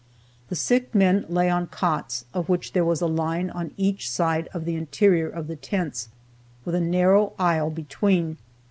The sick men lay on cots, of which there was a line on each side of the interior of the tents, with a narrow aisle between.